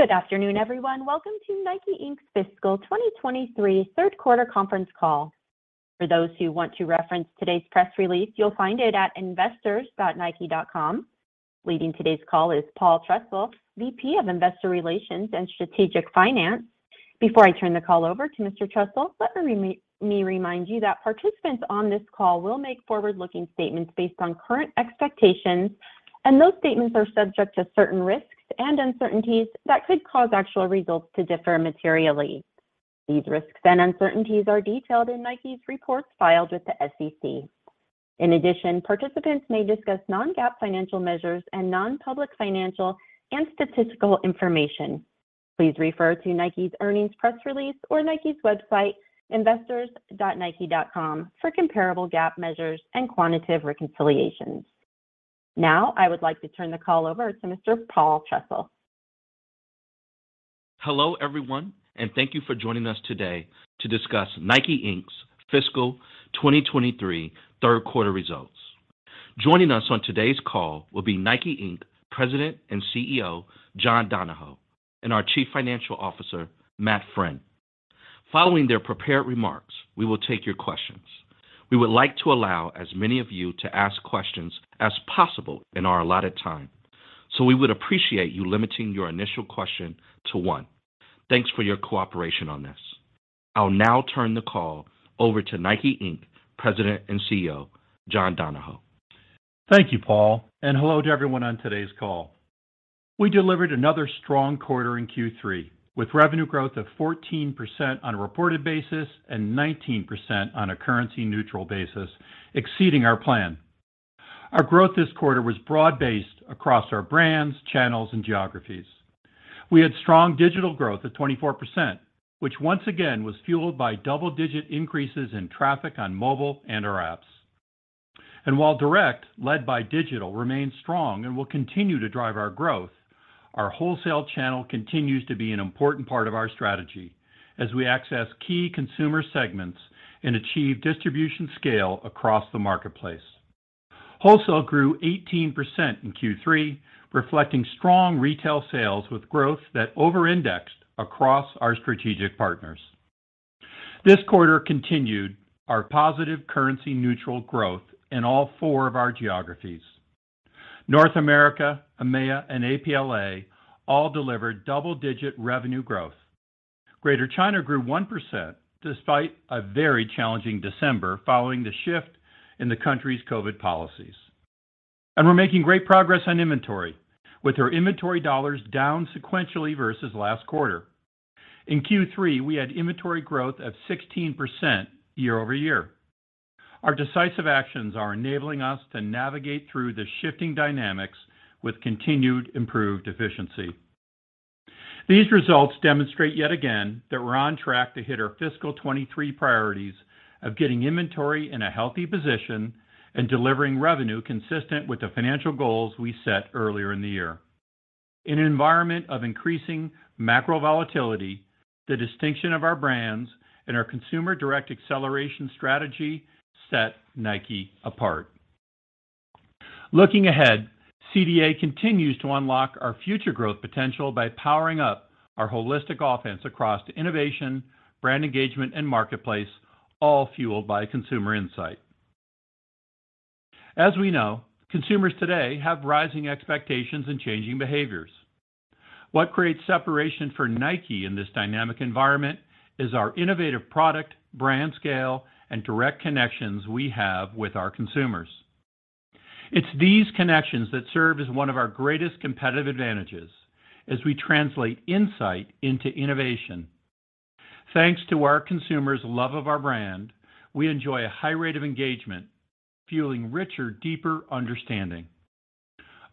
Good afternoon, everyone. Welcome to NIKE, Inc's fiscal 2023 third quarter conference call. For those who want to reference today's press release. You'll find it at investors.nike.com. Leading today's call is Paul Trussell, VP of Investor Relations and Strategic Finance. Before I turn the call over to Mr. Trussell, let me remind you that participants on this call will make forward-looking statements based on current expectations, and those statements are subject to certain risks and uncertainties that could cause actual results to differ materially. These risks and uncertainties are detailed in NIKE's reports filed with the SEC. In addition, participants may discuss non-GAAP financial measures and non-public financial and statistical information. Please refer to NIKE's earnings press release or NIKE's website, investors.nike.com for comparable GAAP measures and quantitative reconciliations. Now I would like to turn the call over to Mr. Paul Trussell. Hello, everyone, and thank you for joining us today to discuss NIKE, Inc's fiscal 2023 third quarter results. Joining us on today's call will be NIKE, Inc, President and CEO, John Donahoe, and our Chief Financial Officer, Matt Friend. Following their prepared remarks, we will take your questions. We would like to allow as many of you to ask questions as possible in our allotted time, so we would appreciate you limiting your initial question to one. Thanks for your cooperation on this. I'll now turn the call over to NIKE, Inc, President and CEO, John Donahoe. Thank you, Paul, and hello to everyone on today's call. We delivered another strong quarter in Q3 with revenue growth of 14% on a reported basis and 19% on a currency neutral basis, exceeding our plan. Our growth this quarter was broad-based across our brands, channels and geographies. We had strong digital growth of 24%, which once again was fueled by double-digit increases in traffic on mobile and our apps. While direct led by digital remains strong and will continue to drive our growth, our wholesale channel continues to be an important part of our strategy as we access key consumer segments and achieve distribution scale across the marketplace. Wholesale grew 18% in Q3, reflecting strong retail sales with growth that overindexed across our strategic partners. This quarter continued our positive currency neutral growth in all four of our geographies. North America, EMEA and APLA all delivered double-digit revenue growth. Greater China grew 1% despite a very challenging December following the shift in the country's COVID policies. We're making great progress on inventory, with our inventory dollars down sequentially versus last quarter. In Q3, we had inventory growth of 16% year-over-year. Our decisive actions are enabling us to navigate through the shifting dynamics with continued improved efficiency. These results demonstrate yet again that we're on track to hit our fiscal 2023 priorities of getting inventory in a healthy position and delivering revenue consistent with the financial goals we set earlier in the year. In an environment of increasing macro volatility, the distinction of our brands and our consumer-direct acceleration strategy set NIKE apart. Looking ahead, CDA continues to unlock our future growth potential by powering up our holistic offense across to innovation, brand engagement and marketplace, all fueled by consumer insight. As we know, consumers today have rising expectations and changing behaviors. What creates separation for NIKE in this dynamic environment is our innovative product, brand scale, and direct connections we have with our consumers. It's these connections that serve as one of our greatest competitive advantages as we translate insight into innovation. Thanks to our consumers' love of our brand, we enjoy a high rate of engagement, fueling richer, deeper understanding.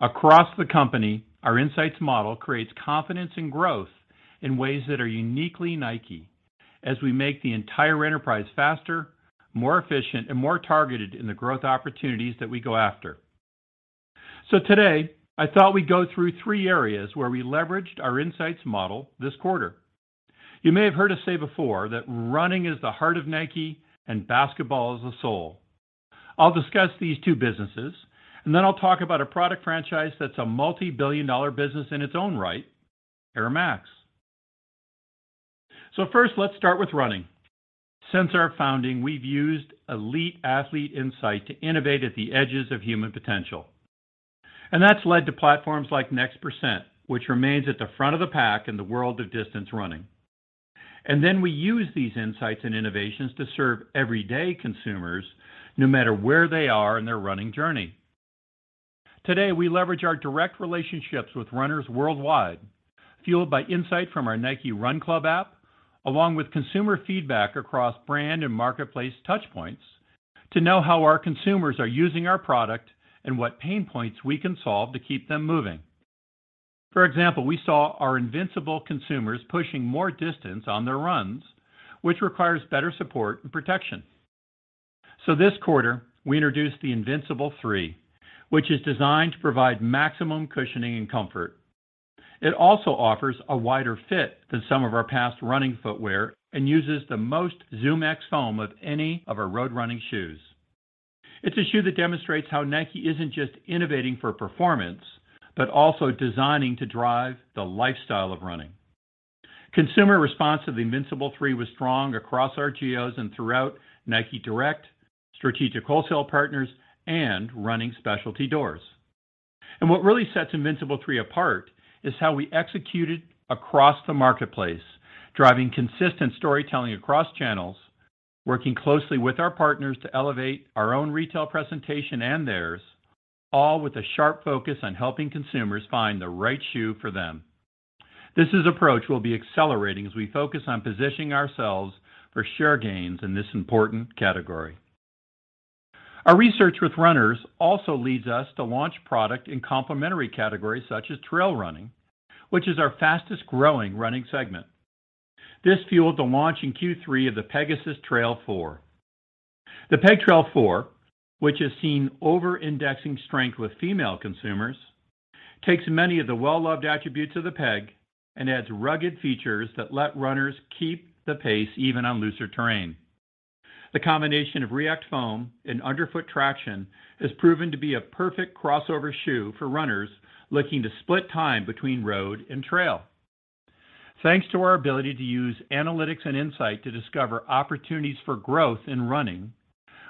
Across the company, our insights model creates confidence and growth in ways that are uniquely NIKE as we make the entire enterprise faster, more efficient and more targeted in the growth opportunities that we go after. Today I thought we'd go through three areas where we leveraged our insights model this quarter. You may have heard us say before that running is the heart of NIKE and basketball is the soul. I'll discuss these two businesses and then I'll talk about a product franchise that's a multi-billion dollar business in its own right, Air Max. First, let's start with running. Since our founding, we've used elite athlete insight to innovate at the edges of human potential. That's led to platforms like NEXT%, which remains at the front of the pack in the world of distance running. Then we use these insights and innovations to serve everyday consumers no matter where they are in their running journey. Today, we leverage our direct relationships with runners worldwide, fueled by insight from our NIKE Run Club app, along with consumer feedback across brand and marketplace touch points to know how our consumers are using our product and what pain points we can solve to keep them moving. For example, we saw our Invincible consumers pushing more distance on their runs, which requires better support and protection. This quarter, we introduced the Invincible 3, which is designed to provide maximum cushioning and comfort. It also offers a wider fit than some of our past running footwear and uses the most ZoomX foam of any of our road running shoes. It's a shoe that demonstrates how NIKE isn't just innovating for performance, but also designing to drive the lifestyle of running. Consumer response to the Invincible 3 was strong across our geos and throughout NIKE Direct, strategic wholesale partners, and running specialty doors. What really sets Invincible 3 apart is how we executed across the marketplace, driving consistent storytelling across channels, working closely with our partners to elevate our own retail presentation and theirs, all with a sharp focus on helping consumers find the right shoe for them. This is approach we'll be accelerating as we focus on positioning ourselves for share gains in this important category. Our research with runners also leads us to launch product in complementary categories such as trail running, which is our fastest growing running segment. This fueled the launch in Q3 of the Pegasus Trail 4. The Peg Trail 4, which has seen over-indexing strength with female consumers, takes many of the well-loved attributes of the Peg and adds rugged features that let runners keep the pace even on looser terrain. The combination of React foam and underfoot traction has proven to be a perfect crossover shoe for runners looking to split time between road and trail. Thanks to our ability to use analytics and insight to discover opportunities for growth in running,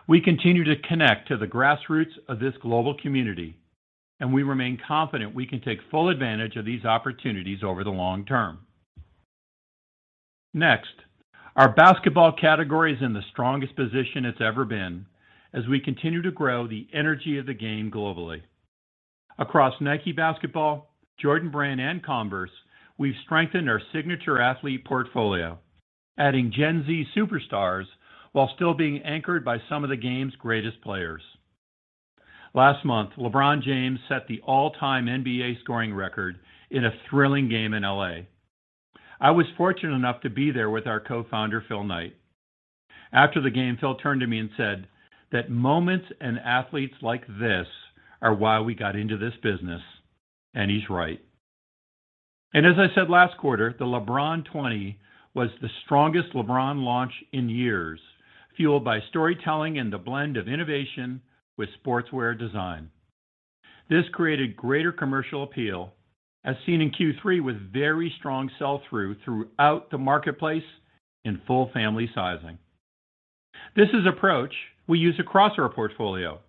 we continue to connect to the grassroots of this global community, and we remain confident we can take full advantage of these opportunities over the long term. Next, our basketball category is in the strongest position it's ever been as we continue to grow the energy of the game globally. Across NIKE Basketball, Jordan Brand, and Converse, we've strengthened our signature athlete portfolio, adding Gen Z superstars while still being anchored by some of the game's greatest players. Last month, LeBron James set the all-time NBA scoring record in a thrilling game in L.A. I was fortunate enough to be there with our Co-founder, Phil Knight. After the game, Phil turned to me and said that moments and athletes like this are why we got into this business. He's right. As I said last quarter, the LeBron 20 was the strongest LeBron launch in years, fueled by storytelling and the blend of innovation with sportswear design. This created greater commercial appeal, as seen in Q3 with very strong sell-through throughout the marketplace in full family sizing. This is approach we use across our portfolio,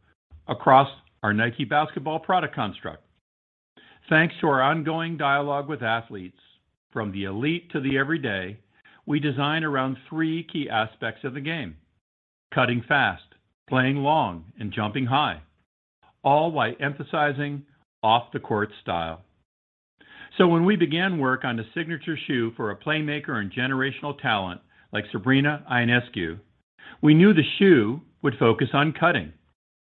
across our NIKE Basketball product construct. Thanks to our ongoing dialogue with athletes from the elite to the everyday, we design around three key aspects of the game: cutting fast, playing long, and jumping high, all while emphasizing off-the-court style. When we began work on a signature shoe for a playmaker and generational talent like Sabrina Ionescu, we knew the shoe would focus on cutting,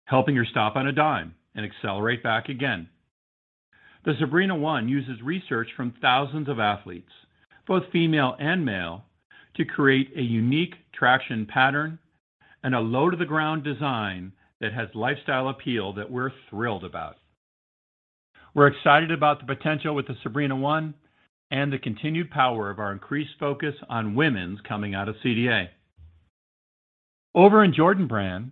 helping her stop on a dime and accelerate back again. The Sabrina 1 uses research from thousands of athletes, both female and male, to create a unique traction pattern and a low to the ground design that has lifestyle appeal that we're thrilled about. We're excited about the potential with the Sabrina 1 and the continued power of our increased focus on women's coming out of CDA. Over in Jordan Brand,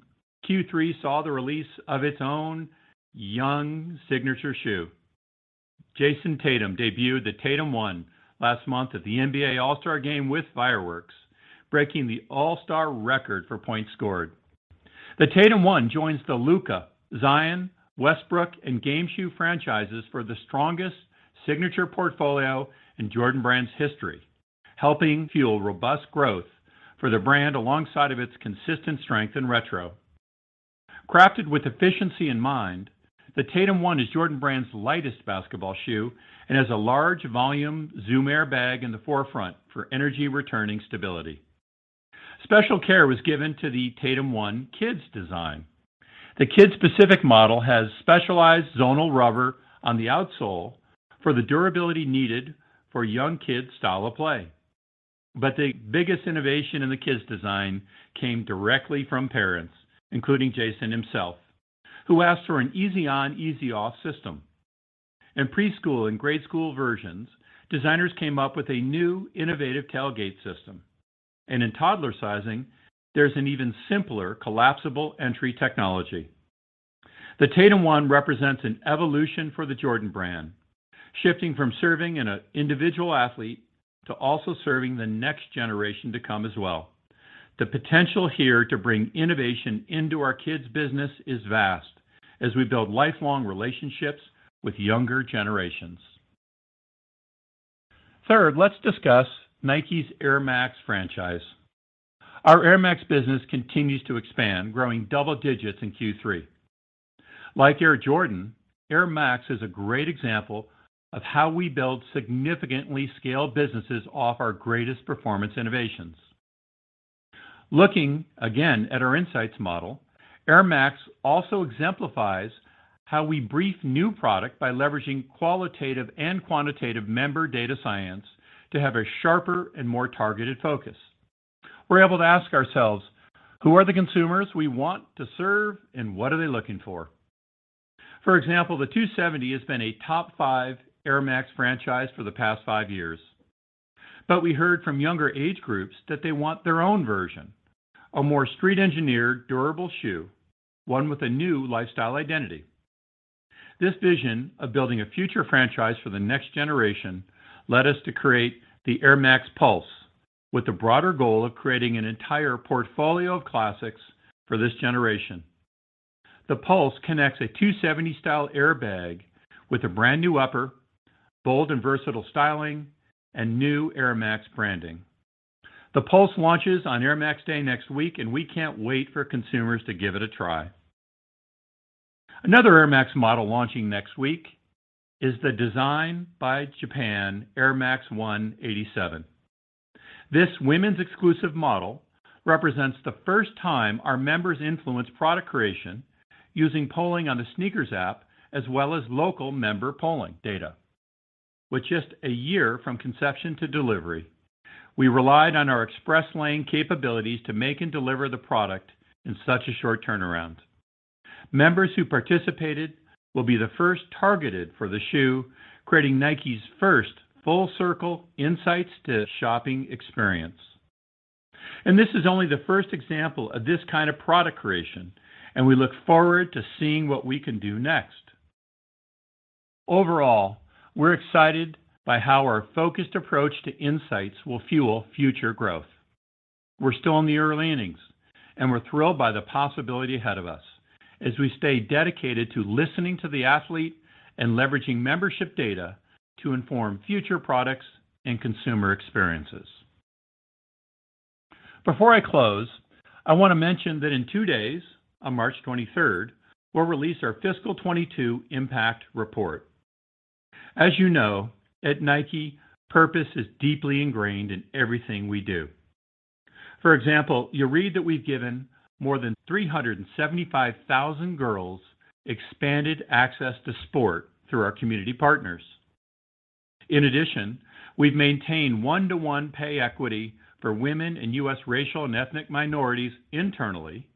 Q3 saw the release of its own young signature shoe. Jayson Tatum debuted the Tatum 1 last month at the NBA All-Star Game with fireworks, breaking the All-Star record for points scored. The Tatum 1 joins the Luka, Zion, Westbrook, and game shoe franchises for the strongest signature portfolio in Jordan Brand's history, helping fuel robust growth for the brand alongside of its consistent strength in retro. Crafted with efficiency in mind, the Tatum 1 is Jordan Brand's lightest basketball shoe and has a large volume Zoom Air bag in the forefront for energy returning stability. Special care was given to the Tatum 1 kids design. The kids specific model has specialized zonal rubber on the outsole for the durability needed for young kids' style of play. The biggest innovation in the kids design came directly from parents, including Jayson himself, who asked for an easy on, easy off system. In preschool and grade school versions, designers came up with a new innovative tailgate system. In toddler sizing, there's an even simpler collapsible entry technology. The Tatum 1 represents an evolution for the Jordan Brand, shifting from serving an individual athlete to also serving the next generation to come as well. The potential here to bring innovation into our kids business is vast as we build lifelong relationships with younger generations. Third, let's discuss NIKE's Air Max franchise. Our Air Max business continues to expand, growing double digits in Q3. Like Air Jordan, Air Max is a great example of how we build significantly scaled businesses off our greatest performance innovations. Looking again at our insights model, Air Max also exemplifies how we brief new product by leveraging qualitative and quantitative member data science to have a sharper and more targeted focus. We're able to ask ourselves, who are the consumers we want to serve and what are they looking for? For example, the 270 has been a top five Air Max franchise for the past five years. We heard from younger age groups that they want their own version, a more street engineered, durable shoe, one with a new lifestyle identity. This vision of building a future franchise for the next generation led us to create the Air Max Pulse with the broader goal of creating an entire portfolio of classics for this generation. The Pulse connects a 270 style airbag with a brand new upper, bold and versatile styling, and new Air Max branding. The Pulse launches on Air Max Day next week, and we can't wait for consumers to give it a try. Another Air Max model launching next week is the Designed by Japan Air Max 1 '87. This women's exclusive model represents the first time our members influenced product creation using polling on the SNKRS App as well as local member polling data. With just a year from conception to delivery, we relied on our Express Lane capabilities to make and deliver the product in such a short turnaround. Members who participated will be the first targeted for the shoe, creating NIKE's first full circle insights to shopping experience. This is only the first example of this kind of product creation, and we look forward to seeing what we can do next. Overall, we're excited by how our focused approach to insights will fuel future growth. We're still in the early innings, and we're thrilled by the possibility ahead of us as we stay dedicated to listening to the athlete and leveraging membership data to inform future products and consumer experiences. Before I close, I want to mention that in two days, on March 23rd, we'll release our fiscal 2022 impact report. As you know, at NIKE, purpose is deeply ingrained in everything we do. For example, you read that we've given more than 375,000 girls expanded access to sport through our community partners. In addition, we've maintained one-to-one pay equity for women and U.S. racial and ethnic minorities internally,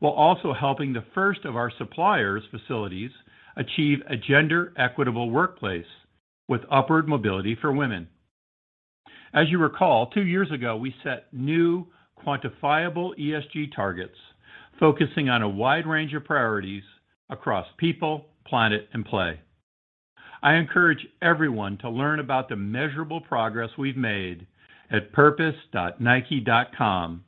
while also helping the first of our suppliers' facilities achieve a gender equitable workplace with upward mobility for women. As you recall, two years ago, we set new quantifiable ESG targets, focusing on a wide range of priorities across people, planet, and play. I encourage everyone to learn about the measurable progress we've made at purpose.nike.com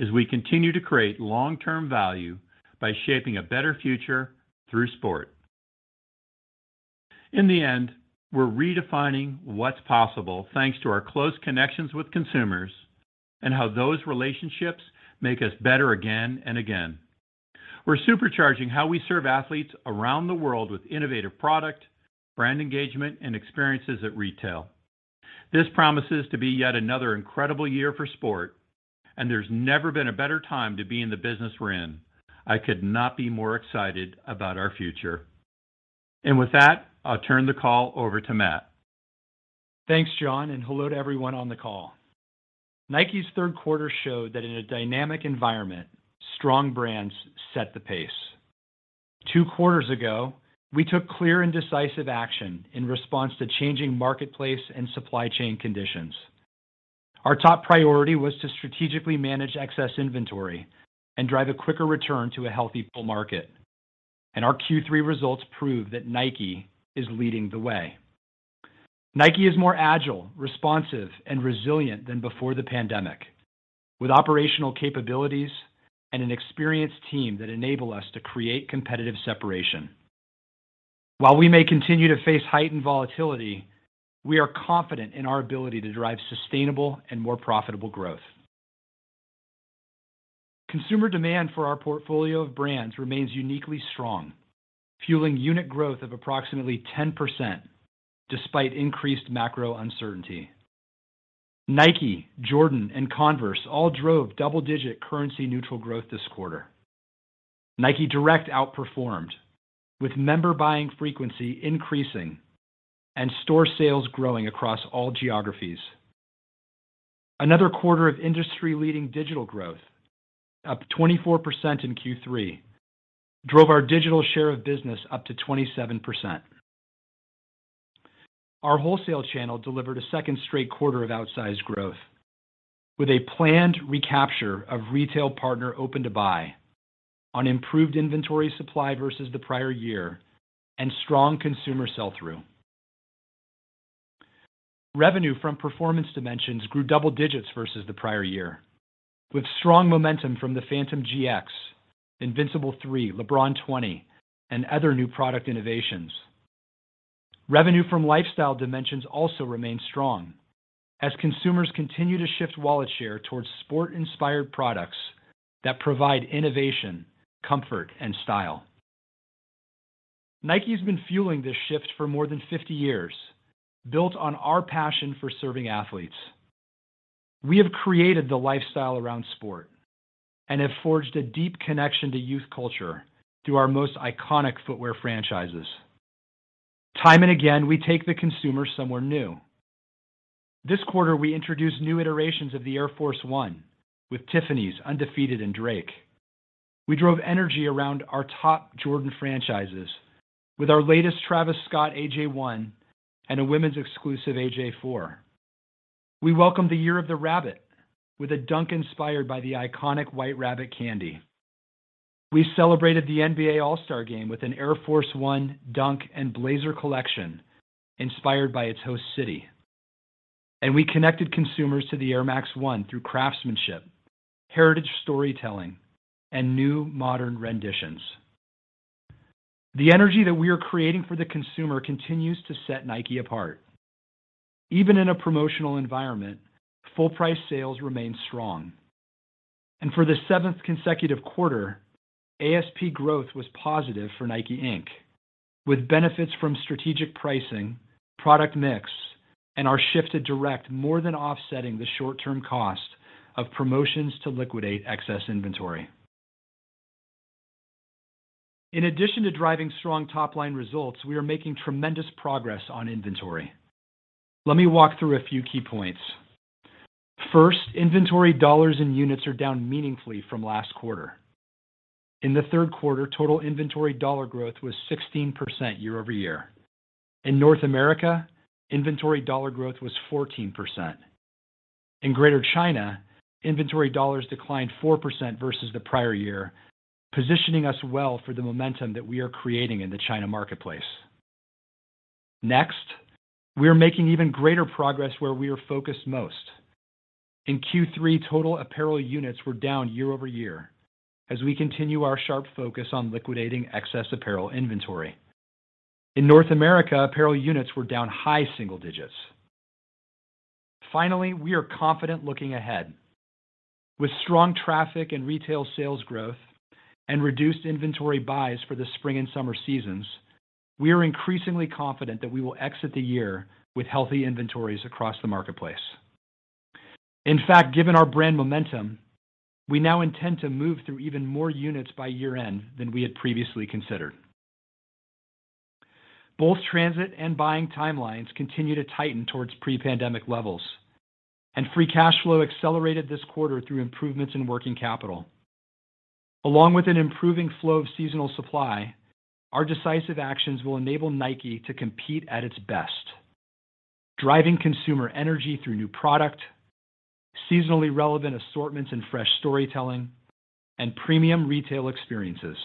as we continue to create long-term value by shaping a better future through sport. In the end, we're redefining what's possible thanks to our close connections with consumers and how those relationships make us better again and again. We're supercharging how we serve athletes around the world with innovative product, brand engagement, and experiences at retail. This promises to be yet another incredible year for sport, and there's never been a better time to be in the business we're in. I could not be more excited about our future. With that, I'll turn the call over to Matt. Thanks, John, and hello to everyone on the call. NIKE's third quarter showed that in a dynamic environment, strong brands set the pace. Two quarters ago, we took clear and decisive action in response to changing marketplace and supply chain conditions. Our top priority was to strategically manage excess inventory and drive a quicker return to a healthy full market. Our Q3 results prove that NIKE is leading the way. NIKE is more agile, responsive, and resilient than before the pandemic, with operational capabilities and an experienced team that enable us to create competitive separation. While we may continue to face heightened volatility, we are confident in our ability to drive sustainable and more profitable growth. Consumer demand for our portfolio of brands remains uniquely strong, fueling unit growth of approximately 10% despite increased macro uncertainty. NIKE, Jordan, and Converse all drove double-digit currency neutral growth this quarter. NIKE Direct outperformed with member buying frequency increasing and store sales growing across all geographies. Another quarter of industry-leading digital growth, up 24% in Q3, drove our digital share of business up to 27%. Our wholesale channel delivered a second straight quarter of outsized growth with a planned recapture of retail partner open to buy on improved inventory supply versus the prior year and strong consumer sell-through. Revenue from performance dimensions grew double digits versus the prior year, with strong momentum from the Phantom GX, Invincible 3, LeBron 20, and other new product innovations. Revenue from lifestyle dimensions also remained strong as consumers continue to shift wallet share towards sport-inspired products that provide innovation, comfort, and style. NIKE has been fueling this shift for more than 50 years, built on our passion for serving athletes. We have created the lifestyle around sport and have forged a deep connection to youth culture through our most iconic footwear franchises. Time and again, we take the consumer somewhere new. This quarter, we introduced new iterations of the Air Force 1 with Tiffany's, Undefeated, and Drake. We drove energy around our top Jordan franchises with our latest Travis Scott AJ1 and a women's exclusive AJ4. We welcomed the Year of the Rabbit with a Dunk inspired by the iconic White Rabbit candy. We celebrated the NBA All-Star Game with an Air Force 1, Dunk, and Blazer collection inspired by its host city. We connected consumers to the Air Max 1 through craftsmanship, heritage storytelling, and new modern renditions. The energy that we are creating for the consumer continues to set NIKE apart. Even in a promotional environment, full price sales remain strong. For the seventh consecutive quarter, ASP growth was positive for NIKE, Inc, with benefits from strategic pricing, product mix, and our shift to direct more than offsetting the short-term cost of promotions to liquidate excess inventory. In addition to driving strong top-line results, we are making tremendous progress on inventory. Let me walk through a few key points. First, inventory dollars and units are down meaningfully from last quarter. In the third quarter, total inventory dollar growth was 16% year-over-year. In North America, inventory dollar growth was 14%. In Greater China, inventory dollars declined 4% versus the prior year, positioning us well for the momentum that we are creating in the China marketplace. Next, we are making even greater progress where we are focused most. In Q3, total apparel units were down year-over-year as we continue our sharp focus on liquidating excess apparel inventory. In North America, apparel units were down high single digits. We are confident looking ahead. With strong traffic and retail sales growth and reduced inventory buys for the spring and summer seasons, we are increasingly confident that we will exit the year with healthy inventories across the marketplace. In fact, given our brand momentum, we now intend to move through even more units by year end than we had previously considered. Both transit and buying timelines continue to tighten towards pre-pandemic levels, and free cash flow accelerated this quarter through improvements in working capital. Along with an improving flow of seasonal supply, our decisive actions will enable NIKE to compete at its best, driving consumer energy through new product, seasonally relevant assortments and fresh storytelling, and premium retail experiences.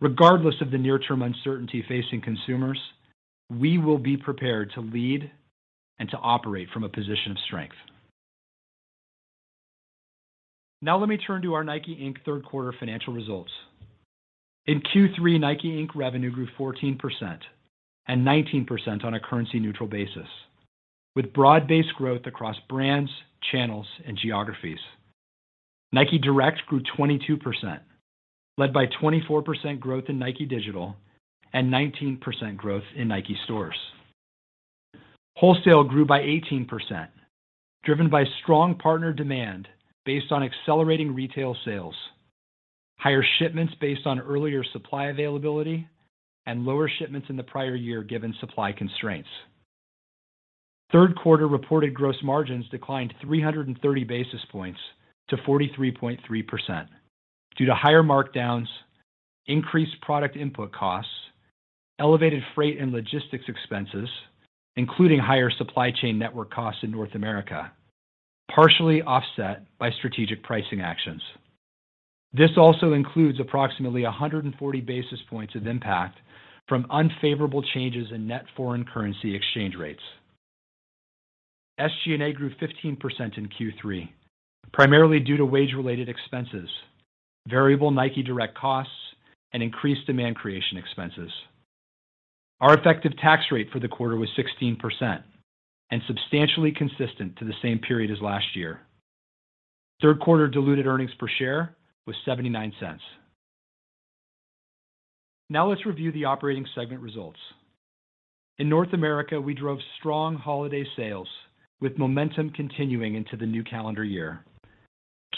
Regardless of the near-term uncertainty facing consumers, we will be prepared to lead and to operate from a position of strength. Let me turn to our NIKE, Inc third quarter financial results. In Q3, NIKE, Inc revenue grew 14% and 19% on a currency neutral basis, with broad-based growth across brands, channels, and geographies. NIKE Direct grew 22%, led by 24% growth in NIKE Digital and 19% growth in NIKE stores. Wholesale grew by 18%, driven by strong partner demand based on accelerating retail sales, higher shipments based on earlier supply availability, and lower shipments in the prior year, given supply constraints. Third quarter reported gross margins declined 330 basis points to 43.3% due to higher markdowns, increased product input costs, elevated freight and logistics expenses, including higher supply chain network costs in North America, partially offset by strategic pricing actions. This also includes approximately 140 basis points of impact from unfavorable changes in net foreign currency exchange rates. SG&A grew 15% in Q3, primarily due to wage-related expenses, variable NIKE Direct costs, and increased demand creation expenses. Our effective tax rate for the quarter was 16% and substantially consistent to the same period as last year. Third quarter diluted earnings per share was $0.79. Let's review the operating segment results. In North America, we drove strong holiday sales with momentum continuing into the new calendar year.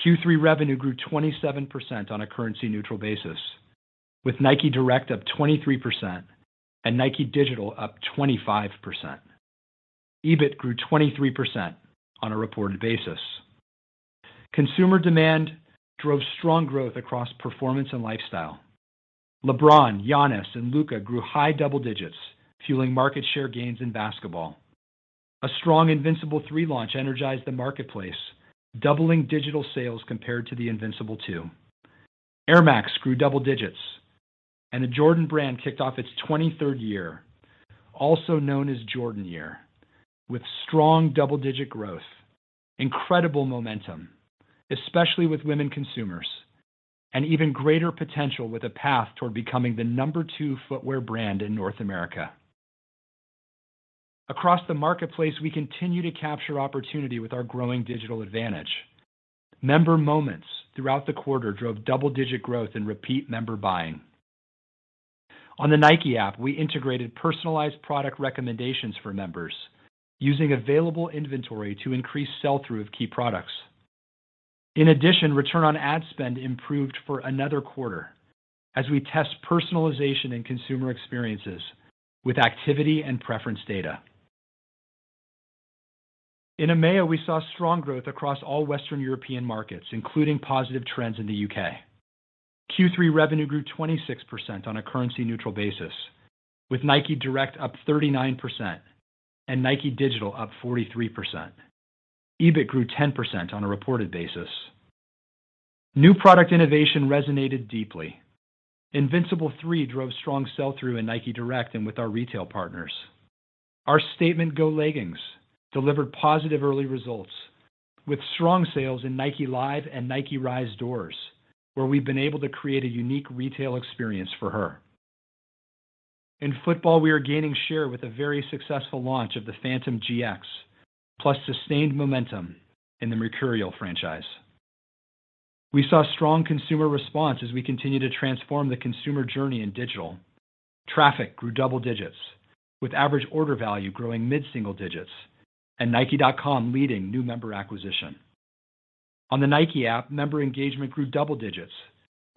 Q3 revenue grew 27% on a currency neutral basis, with NIKE Direct up 23% and NIKE Digital up 25%. EBIT grew 23% on a reported basis. Consumer demand drove strong growth across performance and lifestyle. LeBron, Giannis, and Luka grew high double digits, fueling market share gains in basketball. A strong Invincible 3 launch energized the marketplace, doubling digital sales compared to the Invincible 2. Air Max grew double digits, and the Jordan Brand kicked off its 23rd year, also known as Jordan Year, with strong double-digit growth, incredible momentum, especially with women consumers, and even greater potential with a path toward becoming the number two footwear brand in North America. Across the marketplace, we continue to capture opportunity with our growing digital advantage. Member moments throughout the quarter drove double-digit growth in repeat member buying. On the NIKE App, we integrated personalized product recommendations for members using available inventory to increase sell-through of key products. Return on ad spend improved for another quarter as we test personalization and consumer experiences with activity and preference data. EMEA, we saw strong growth across all Western European markets, including positive trends in the U.K. Q3 revenue grew 26% on a currency neutral basis, with NIKE Direct up 39% and NIKE Digital up 43%. EBIT grew 10% on a reported basis. New product innovation resonated deeply. Invincible 3 drove strong sell-through in NIKE Direct and with our retail partners. Our statement Go leggings delivered positive early results with strong sales in NIKE Live and NIKE Rise doors, where we've been able to create a unique retail experience for her. In football, we are gaining share with a very successful launch of the Phantom GX, plus sustained momentum in the Mercurial franchise. We saw strong consumer response as we continue to transform the consumer journey in digital. Traffic grew double digits, with average order value growing mid single digits and nike.com leading new member acquisition. On the NIKE App, member engagement grew double digits,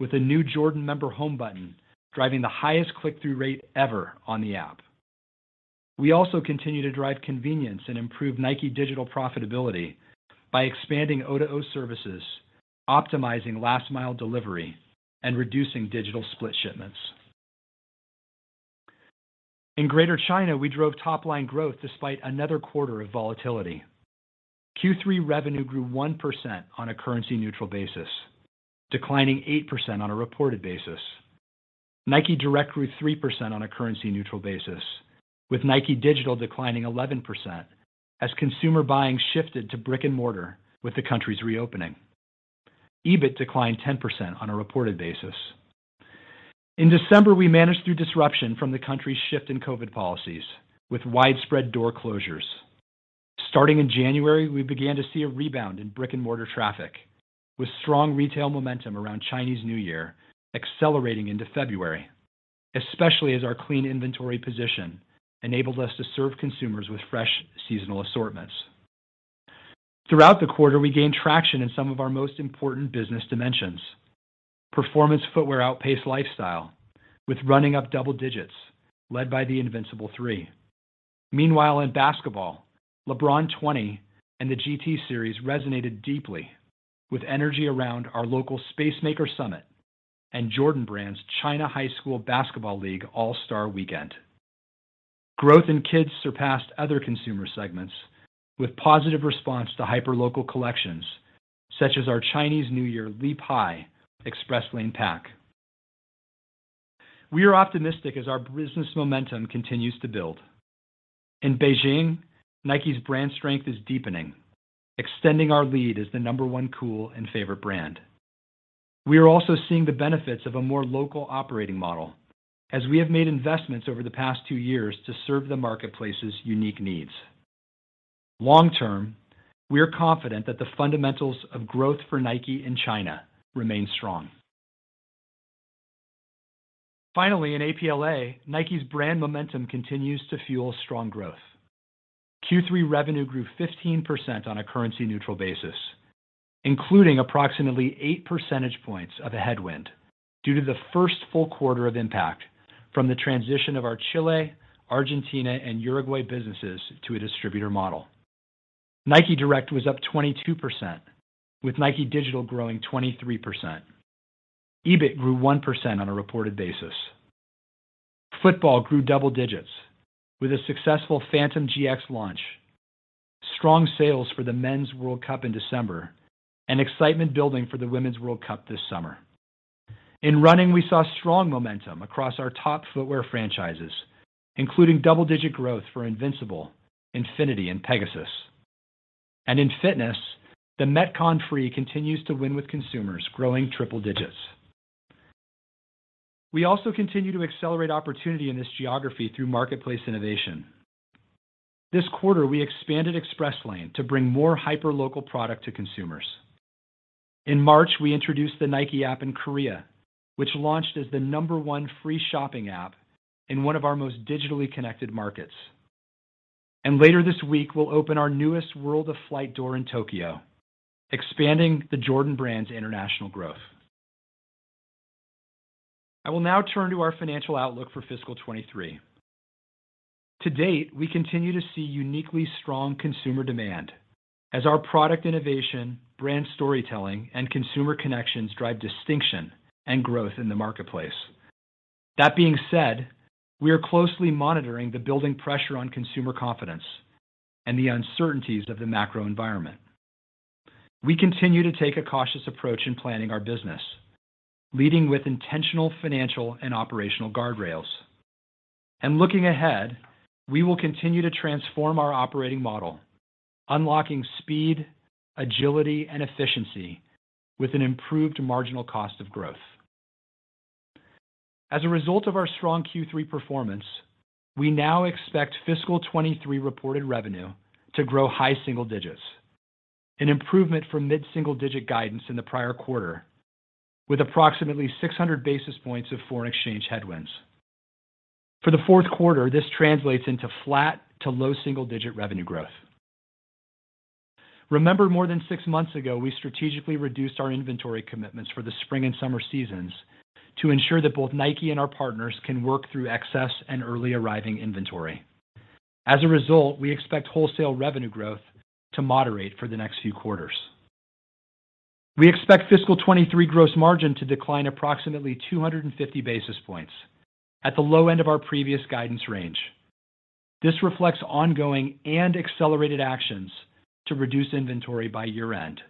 with a new Jordan member home button driving the highest click-through rate ever on the app. We also continue to drive convenience and improve NIKE Digital profitability by expanding O2O services, optimizing last mile delivery, and reducing digital split shipments. In Greater China, we drove top line growth despite another quarter of volatility. Q3 revenue grew 1% on a currency neutral basis, declining 8% on a reported basis. NIKE Direct grew 3% on a currency neutral basis, with NIKE Digital declining 11% as consumer buying shifted to brick-and-mortar with the country's reopening. EBIT declined 10% on a reported basis. In December, we managed through disruption from the country's shift in COVID policies with widespread door closures. Starting in January, we began to see a rebound in brick-and-mortar traffic with strong retail momentum around Chinese New Year accelerating into February, especially as our clean inventory position enabled us to serve consumers with fresh seasonal assortments. Throughout the quarter, we gained traction in some of our most important business dimensions. Performance footwear outpaced lifestyle with running up double digits led by the Invincible 3. Meanwhile, in basketball, LeBron 20 and the G.T. Series resonated deeply with energy around our local Space Maker Summit and Jordan Brand's China High School Basketball League All-Star Weekend. Growth in kids surpassed other consumer segments with positive response to hyperlocal collections such as our Chinese New Year Leap High Express Lane pack. We are optimistic as our business momentum continues to build. In Beijing, NIKE's brand strength is deepening, extending our lead as the number one cool and favorite brand. We are also seeing the benefits of a more local operating model as we have made investments over the past two years to serve the marketplace's unique needs. Long term, we are confident that the fundamentals of growth for NIKE in China remain strong. Finally, in APLA, NIKE's brand momentum continues to fuel strong growth. Q3 revenue grew 15% on a currency neutral basis, including approximately 8 percentage points of a headwind due to the first full quarter of impact from the transition of our Chile, Argentina, and Uruguay businesses to a distributor model. NIKE Direct was up 22%, with NIKE Digital growing 23%. EBIT grew 1% on a reported basis. Football grew double digits with a successful Phantom GX launch. Strong sales for the Men's World Cup in December and excitement building for the Women's World Cup this summer. In running, we saw strong momentum across our top footwear franchises, including double-digit growth for Invincible, Infinity, and Pegasus. In fitness, the Metcon Free continues to win with consumers growing triple digits. We also continue to accelerate opportunity in this geography through marketplace innovation. This quarter, we expanded Express Lane to bring more hyperlocal product to consumers. In March, we introduced the NIKE App in Korea, which launched as the number one free shopping app in one of our most digitally connected markets. Later this week, we'll open our newest World of Flight door in Tokyo, expanding the Jordan Brand's international growth. I will now turn to our financial outlook for fiscal 2023. To date, we continue to see uniquely strong consumer demand as our product innovation, brand storytelling, and consumer connections drive distinction and growth in the marketplace. That being said, we are closely monitoring the building pressure on consumer confidence and the uncertainties of the macro environment. We continue to take a cautious approach in planning our business, leading with intentional financial and operational guardrails. Looking ahead, we will continue to transform our operating model, unlocking speed, agility, and efficiency with an improved marginal cost of growth. As a result of our strong Q3 performance, we now expect fiscal 2023 reported revenue to grow high single digits, an improvement from mid single-digit guidance in the prior quarter with approximately 600 basis points of foreign exchange headwinds. For the fourth quarter, this translates into flat to low single-digit revenue growth. Remember more than six months ago, we strategically reduced our inventory commitments for the spring and summer seasons to ensure that both NIKE and our partners can work through excess and early arriving inventory. As a result, we expect wholesale revenue growth to moderate for the next few quarters. We expect fiscal 2023 gross margin to decline approximately 250 basis points at the low end of our previous guidance range. This reflects ongoing and accelerated actions to reduce inventory by year-end,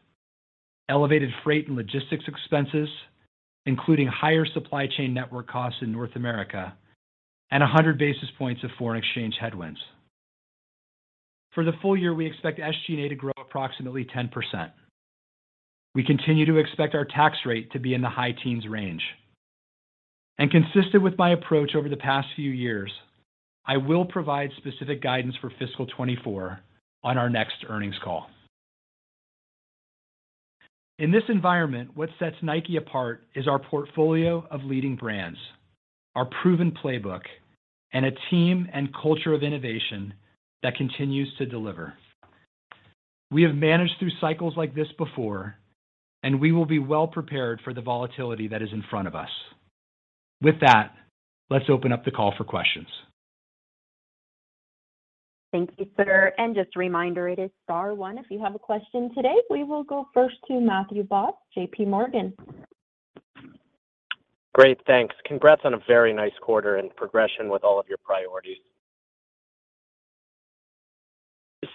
elevated freight and logistics expenses, including higher supply chain network costs in North America, and 100 basis points of foreign exchange headwinds. For the full year, we expect SG&A to grow approximately 10%. We continue to expect our tax rate to be in the high teens range. Consistent with my approach over the past few years, I will provide specific guidance for fiscal 2024 on our next earnings call. In this environment, what sets NIKE apart is our portfolio of leading brands, our proven playbook, and a team and culture of innovation that continues to deliver. We have managed through cycles like this before, and we will be well prepared for the volatility that is in front of us. With that, let's open up the call for questions. Thank you, sir. Just a reminder, it is star one if you have a question today. We will go first to Matthew Boss, JPMorgan. Great. Thanks. Congrats on a very nice quarter and progression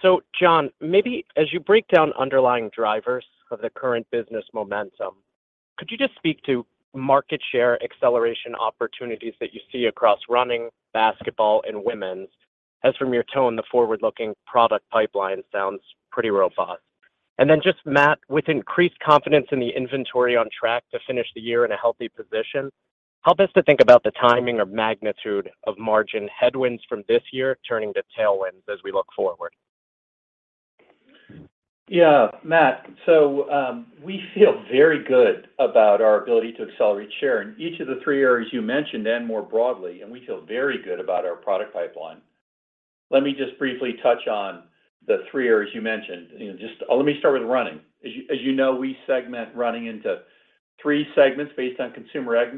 with all of your priorities. John, maybe as you break down underlying drivers of the current business momentum, could you just speak to market share acceleration opportunities that you see across running, basketball, and women's? As from your tone, the forward-looking product pipeline sounds pretty robust. Just Matt, with increased confidence in the inventory on track to finish the year in a healthy position, help us to think about the timing or magnitude of margin headwinds from this year turning to tailwinds as we look forward. Yeah. Matt, we feel very good about our ability to accelerate share in each of the three areas you mentioned and more broadly, and we feel very good about our product pipeline. Let me just briefly touch on the three areas you mentioned. You know, let me start with running. As you know, we segment running into three segments based on consumer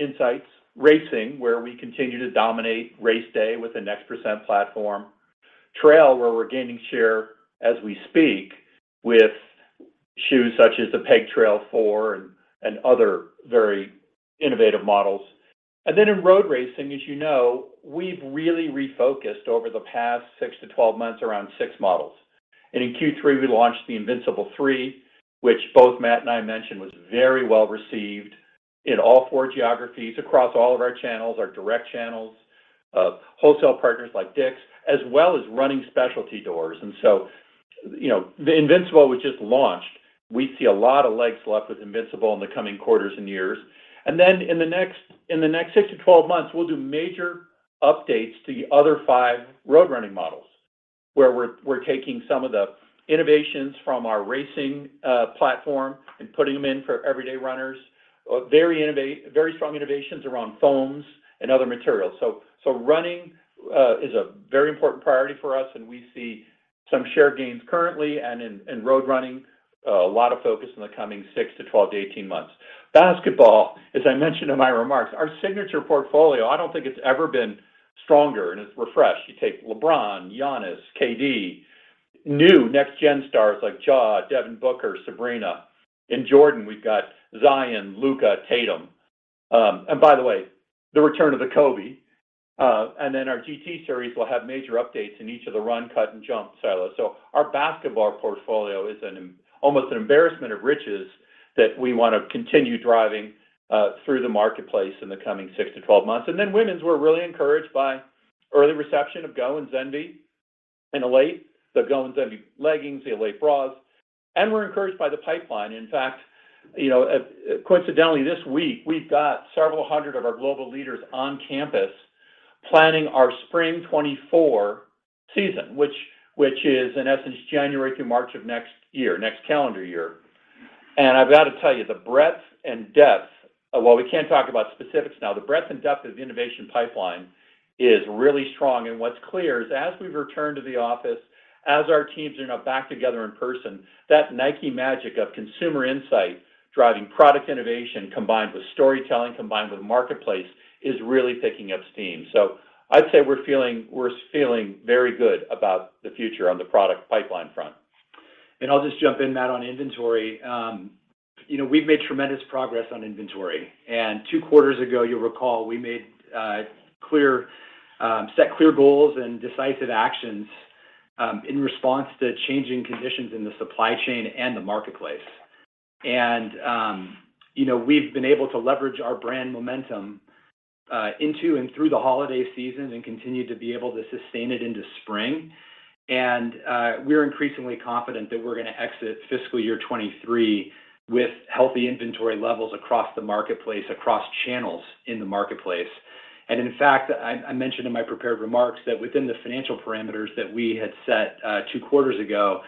insights. Racing, where we continue to dominate race day with the NEXT% platform. Trail, where we're gaining share as we speak with shoes such as the Peg Trail 4 and other very innovative models. In road racing, as you know, we've really refocused over the past six to 12 months around six models. In Q3, we launched the Invincible 3, which both Matt and I mentioned was very well received in all four geographies across all of our channels, our direct channels, wholesale partners like DICK'S, as well as running specialty doors. You know, the Invincible was just launched. We see a lot of legs left with Invincible in the coming quarters and years. Then in the next six to 12 months, we'll do major updates to the other five road running models, where we're taking some of the innovations from our racing platform and putting them in for everyday runners. Very strong innovations around foams and other materials. Running is a very important priority for us, and we see some share gains currently and in road running. A lot of focus in the coming six to 12 to 18 months. Basketball, as I mentioned in my remarks, our signature portfolio, I don't think it's ever been stronger and it's refreshed. You take LeBron, Giannis, KD, new next gen stars like Ja, Devin Booker, Sabrina. In Jordan Brand, we've got Zion, Luka, Tatum. By the way, the return of the Kobe. Then our G.T. Series will have major updates in each of the run, cut, and jump silos. So our basketball portfolio is almost an embarrassment of riches that we want to continue driving through the marketplace in the coming six to 12 months. Then women's, we're really encouraged by early reception of Go and Zenvy and Alate. The Go and Zenvy leggings, the Alate bras. We're encouraged by the pipeline. In fact, you know, coincidentally this week, we've got several hundred of our global leaders on campus planning our spring 2024 season, which is in essence January through March of next year, next calendar year. I've got to tell you, the breadth and depth, while we can't talk about specifics now, the breadth and depth of the innovation pipeline is really strong. What's clear is as we've returned to the office, as our teams are now back together in person, that NIKE magic of consumer insight driving product innovation combined with storytelling, combined with marketplace, is really picking up steam. I'd say we're feeling very good about the future on the product pipeline front. I'll just jump in, Matt, on inventory. you know, we've made tremendous progress on inventory. Two quarters ago, you'll recall we made clear, set clear goals and decisive actions in response to changing conditions in the supply chain and the marketplace. you know, we've been able to leverage our brand momentum into and through the holiday season and continue to be able to sustain it into spring. We're increasingly confident that we're gonna exit fiscal year 2023 with healthy inventory levels across the marketplace, across channels in the marketplace. In fact, I mentioned in my prepared remarks that within the financial parameters that we had set, two quarters ago,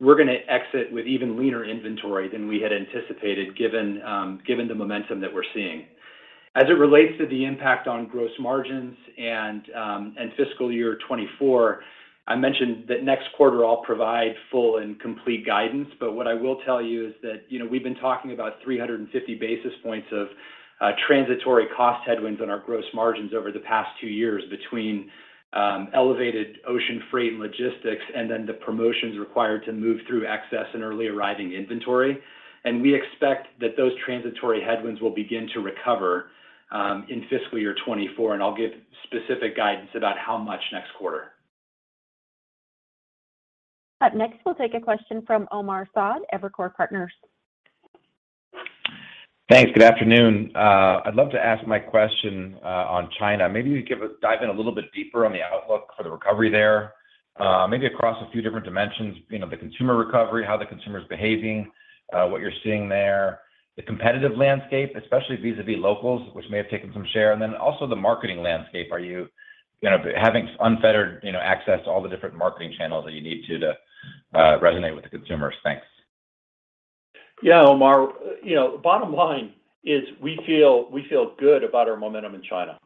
we're gonna exit with even leaner inventory than we had anticipated given the momentum that we're seeing. As it relates to the impact on gross margins and fiscal year 2024, I mentioned that next quarter I'll provide full and complete guidance. What I will tell you is that, you know, we've been talking about 350 basis points of transitory cost headwinds on our gross margins over the past two years between elevated ocean freight and logistics, and then the promotions required to move through excess and early arriving inventory. We expect that those transitory headwinds will begin to recover in fiscal year 2024, and I'll give specific guidance about how much next quarter. Up next, we'll take a question from Omar Saad, Evercore Partners. Thanks. Good afternoon. I'd love to ask my question on China. Maybe you could dive in a little bit deeper on the outlook for the recovery there, maybe across a few different dimensions: you know, the consumer recovery, how the consumer is behaving, what you're seeing there, the competitive landscape, especially vis-à-vis locals, which may have taken some share, and then also the marketing landscape. Are you know, having unfettered, you know, access to all the different marketing channels that you need to resonate with the consumers? Thanks. Yeah, Omar. You know, bottom line is we feel good about our momentum in China,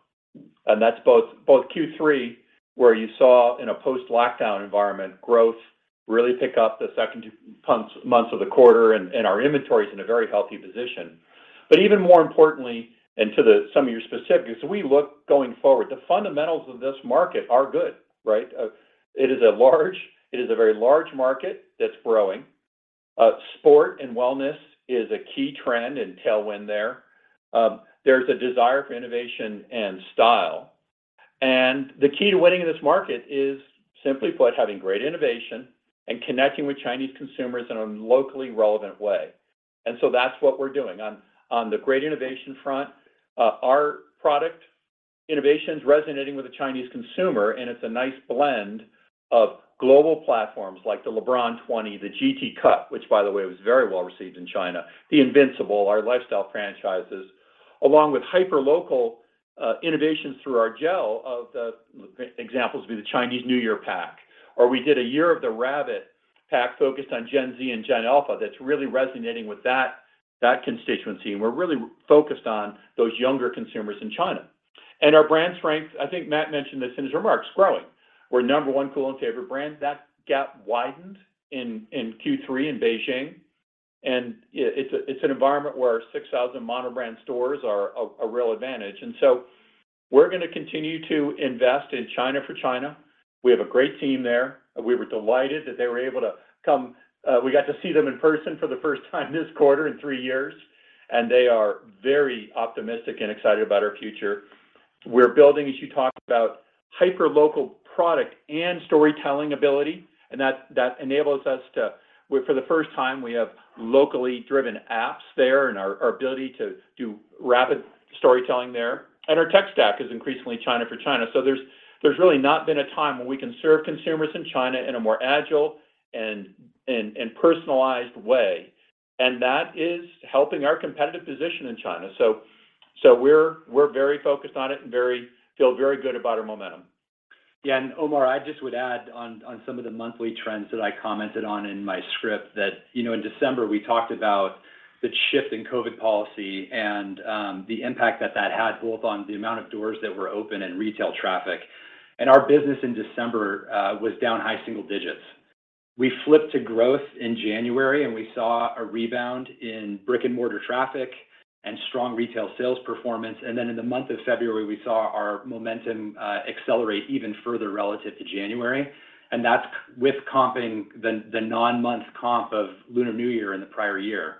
and that's both Q3, where you saw in a post-lockdown environment, growth really pick up the second month of the quarter and our inventory's in a very healthy position. Even more importantly, to some of your specifics, as we look going forward, the fundamentals of this market are good, right? It is a very large market that's growing. Sport and wellness is a key trend and tailwind there. There's a desire for innovation and style. The key to winning in this market is simply put, having great innovation and connecting with Chinese consumers in a locally relevant way. That's what we're doing. On the great innovation front, our product innovation is resonating with the Chinese consumer, and it's a nice blend of global platforms like the LeBron 20, the G.T. Cut, which, by the way, was very well received in China, the Invincible, our lifestyle franchises, along with hyperlocal innovations through our gel of the examples would be the Chinese New Year pack. We did a Year of the Rabbit pack focused on Gen Z and Gen Alpha that's really resonating with that constituency. We're really focused on those younger consumers in China. Our brand strength, I think Matt mentioned this in his remarks, growing. We're number one cool and favorite brand. That gap widened in Q3 in Beijing. It's an environment where our 6,000 mono brand stores are a real advantage. We're gonna continue to invest in China for China. We have a great team there. We were delighted that they were able to come. We got to see them in person for the first time this quarter in three years. They are very optimistic and excited about our future. We're building, as you talked about, hyperlocal product and storytelling ability, and that enables us to. For the first time, we have locally driven apps there and our ability to do rapid storytelling there. Our tech stack is increasingly China for China. There's really not been a time where we can serve consumers in China in a more agile and personalized way. That is helping our competitive position in China. So we're very focused on it and feel very good about our momentum. Yeah, Omar, I just would add on some of the monthly trends that I commented on in my script that, you know, in December, we talked about the shift in COVID policy and the impact that that had both on the amount of doors that were open and retail traffic. Our business in December was down high single digits. We flipped to growth in January, we saw a rebound in brick-and-mortar traffic and strong retail sales performance. In the month of February, we saw our momentum accelerate even further relative to January. That's with comping the non-month comp of Lunar New Year in the prior year.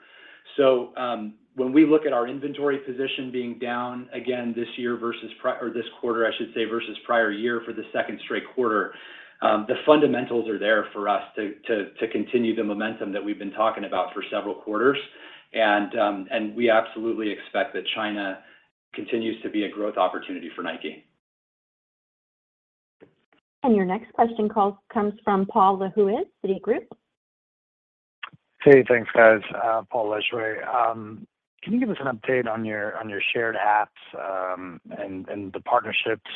When we look at our inventory position being down again this year versus this quarter, I should say, versus prior year for the second straight quarter, the fundamentals are there for us to continue the momentum that we've been talking about for several quarters. We absolutely expect that China continues to be a growth opportunity for NIKE. Your next question call comes from Paul Lejuez, Citigroup. Hey, thanks, guys. Paul Lejuez. Can you give us an update on your shared apps, and the partnerships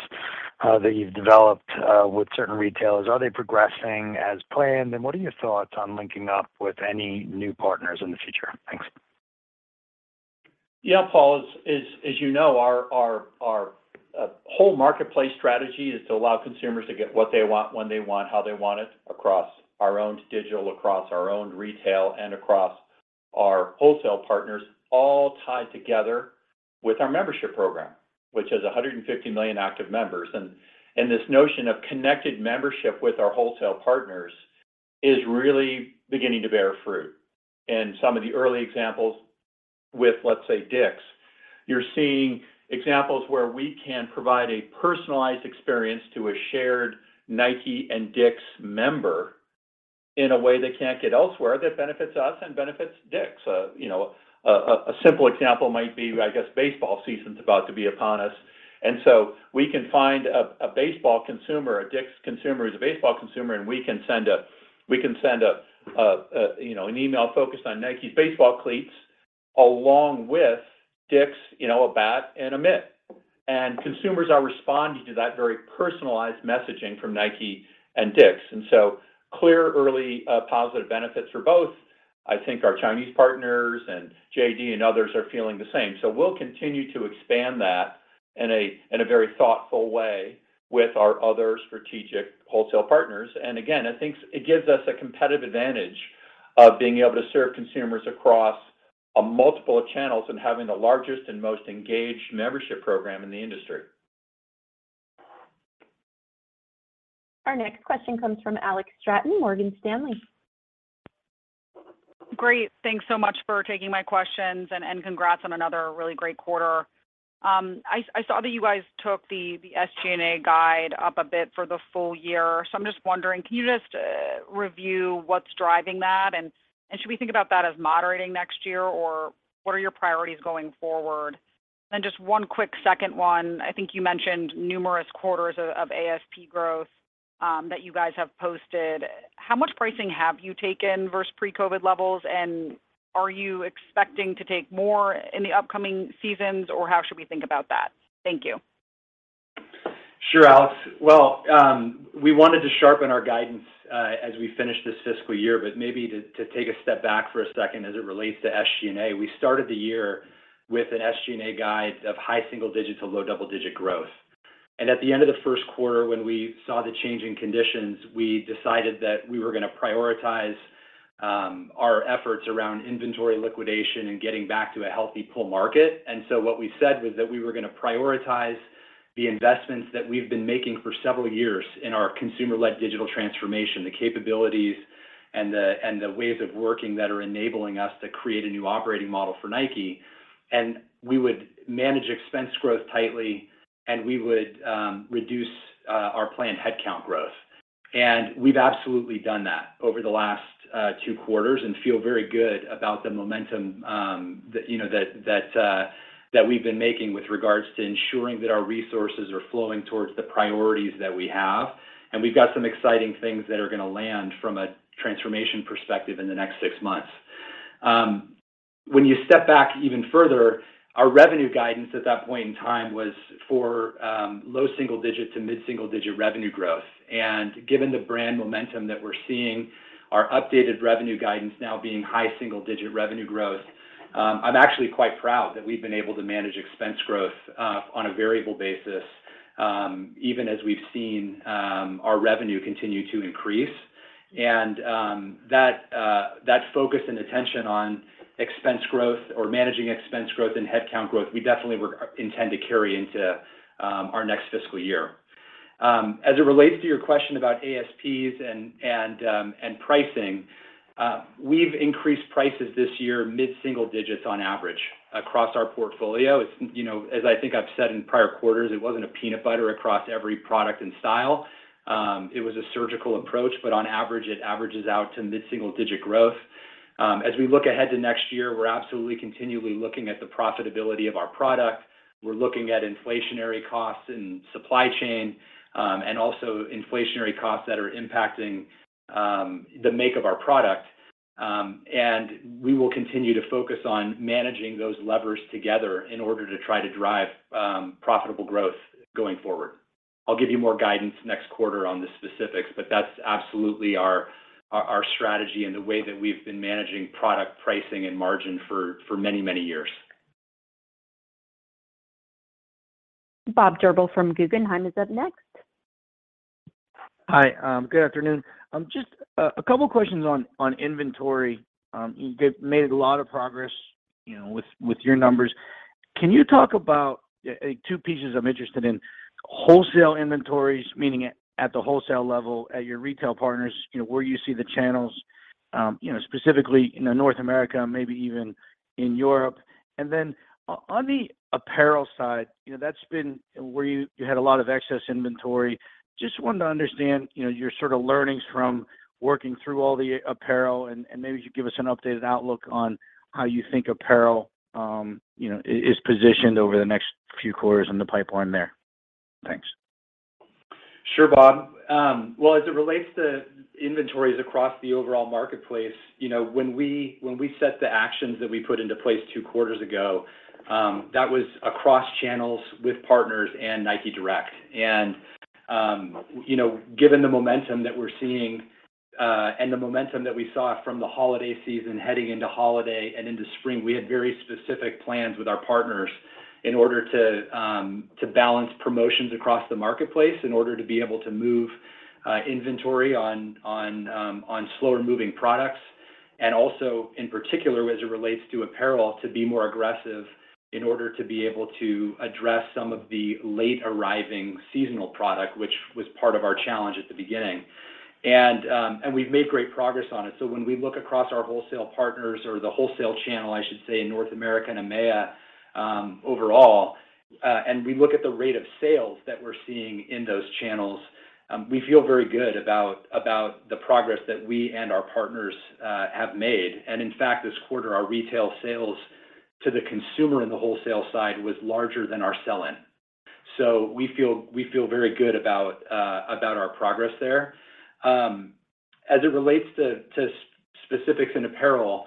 that you've developed with certain retailers? Are they progressing as planned? What are your thoughts on linking up with any new partners in the future? Thanks. Yeah, Paul. As you know, our whole marketplace strategy is to allow consumers to get what they want, when they want, how they want it, across our own digital, across our own retail, and across our wholesale partners, all tied together with our membership program, which has 150 million active members. This notion of connected membership with our wholesale partners is really beginning to bear fruit. Some of the early examples with, let's say, DICK'S, you're seeing examples where we can provide a personalized experience to a shared NIKE and DICK'S member in a way they can't get elsewhere that benefits us and benefits DICK'S. You know, a simple example might be, I guess, baseball season's about to be upon us. We can find a baseball consumer, a DICK'S consumer who's a baseball consumer, and we can send a, you know, an email focused on NIKE's baseball cleats along with DICK'S, you know, a bat and a mitt. Consumers are responding to that very personalized messaging from NIKE and DICK'S. Clear early positive benefits for both. I think our Chinese partners and JD and others are feeling the same. We'll continue to expand that in a very thoughtful way with our other strategic wholesale partners. Again, I think it gives us a competitive advantage of being able to serve consumers across a multiple of channels and having the largest and most engaged membership program in the industry. Our next question comes from Alex Straton, Morgan Stanley. Great. Thanks so much for taking my questions. Congrats on another really great quarter. I saw that you guys took the SG&A guide up a bit for the full year. I'm just wondering, can you just review what's driving that? Should we think about that as moderating next year, or what are your priorities going forward? Just one quick second one. I think you mentioned numerous quarters of ASP growth that you guys have posted. How much pricing have you taken versus pre-COVID levels, and are you expecting to take more in the upcoming seasons, or how should we think about that? Thank you. Sure, Alex. Well, we wanted to sharpen our guidance as we finish this fiscal year. Maybe to take a step back for a second as it relates to SG&A, we started the year with an SG&A guide of high single digits to low double-digit growth. At the end of the first quarter when we saw the change in conditions, we decided that we were gonna prioritize our efforts around inventory liquidation and getting back to a healthy pull market. What we said was that we were gonna prioritize the investments that we've been making for several years in our consumer-led digital transformation, the capabilities and the ways of working that are enabling us to create a new operating model for NIKE. We would manage expense growth tightly, and we would reduce our planned headcount growth. We've absolutely done that over the last two quarters and feel very good about the momentum, that, you know, that we've been making with regards to ensuring that our resources are flowing towards the priorities that we have. We've got some exciting things that are gonna land from a transformation perspective in the next six months. When you step back even further, our revenue guidance at that point in time was for low single-digit to mid single-digit revenue growth. Given the brand momentum that we're seeing, our updated revenue guidance now being high single-digit revenue growth, I'm actually quite proud that we've been able to manage expense growth on a variable basis, even as we've seen our revenue continue to increase. That focus and attention on expense growth or managing expense growth and headcount growth, we definitely intend to carry into our next fiscal year. As it relates to your question about ASPs and pricing, we've increased prices this year mid-single digits on average across our portfolio. It's, you know, as I think I've said in prior quarters, it wasn't a peanut butter across every product and style. It was a surgical approach, but on average, it averages out to mid-single digit growth. As we look ahead to next year, we're absolutely continually looking at the profitability of our product. We're looking at inflationary costs and supply chain, and also inflationary costs that are impacting the make of our product. We will continue to focus on managing those levers together in order to try to drive profitable growth going forward. I'll give you more guidance next quarter on the specifics, that's absolutely our strategy and the way that we've been managing product pricing and margin for many, many years. Bob Drbul from Guggenheim is up next. Hi. Good afternoon. Just a couple questions on inventory. You made a lot of progress, you know, with your numbers. Can you talk about two pieces I'm interested in. Wholesale inventories, meaning at the wholesale level at your retail partners, you know, where you see the channels, you know, specifically in North America, maybe even in Europe. On the apparel side, you know, that's been where you had a lot of excess inventory. Just wanted to understand, you know, your sort of learnings from working through all the apparel and maybe you give us an updated outlook on how you think apparel, you know, is positioned over the next few quarters in the pipeline there. Thanks. Sure, Bob. Well, as it relates to inventories across the overall marketplace, you know, when we set the actions that we put into place two quarters ago, that was across channels with partners and NIKE Direct. You know, given the momentum that we're seeing, and the momentum that we saw from the holiday season heading into holiday and into spring, we had very specific plans with our partners in order to balance promotions across the marketplace in order to be able to move inventory on slower moving products. Also in particular as it relates to apparel, to be more aggressive in order to be able to address some of the late arriving seasonal product, which was part of our challenge at the beginning. We've made great progress on it. When we look across our wholesale partners or the wholesale channel, I should say, in North America and EMEA, overall, and we look at the rate of sales that we're seeing in those channels, we feel very good about the progress that we and our partners have made. In fact, this quarter, our retail sales to the consumer in the wholesale side was larger than our sell-in. We feel very good about our progress there. As it relates to specifics in apparel,